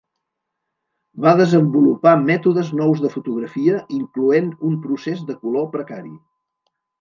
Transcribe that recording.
Va desenvolupar mètodes nous de fotografia incloent un procés de color precari.